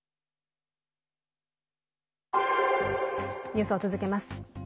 ニュースを続けます。